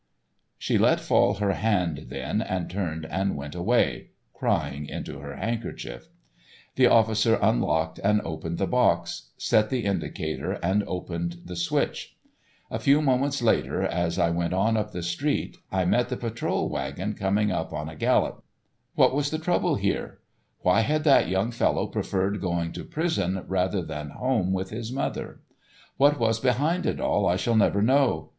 She let fall her hand then and turned and went away, crying into her handkerchief. The officer unlocked and opened the box, set the indicator and opened the switch. A few moments later, as I went on up the street, I met the patrol wagon coming up on a gallop. What was the trouble here? Why had that young fellow preferred going to prison rather than home with his mother? What was behind it all I shall never know.